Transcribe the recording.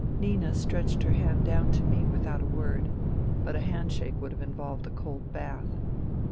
Nina stretched her hand down to me without a word ; but a handshake would have involved a cold bath